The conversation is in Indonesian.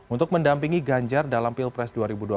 untuk mendampingi ganjar dalam pilpres dua ribu dua puluh